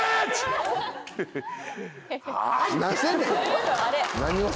何してんねん！